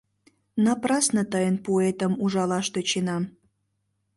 — Напрасне тыйын пуэтым ужалаш тӧченам.